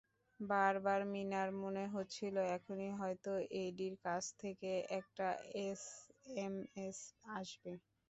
বারবার মিনার মনে হচ্ছিল, এখনই হয়তো এডির কাছ থেকে একটা এসএমএস আসবে।